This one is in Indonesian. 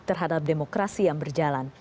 terhadap demokrasi yang berjalan